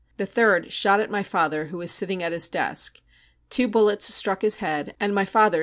The third shot at my father, who was sitting at his desk. Two bullets struck his head, and my father.